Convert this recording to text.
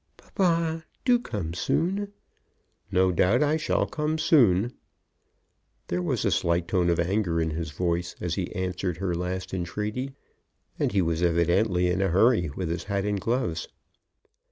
"Papa, do come soon." "No doubt I shall come soon." There was a slight tone of anger in his voice as he answered the last entreaty, and he was evidently in a hurry with his hat and gloves.